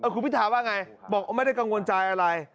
คุณพิธาว่าไงบอกไม่ได้กังวลใจอะไร